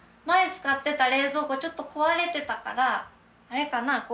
前使ってた冷蔵庫ちょっと壊れてたからあれかな